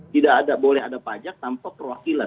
tidak ada boleh ada pajak tanpa perwakilan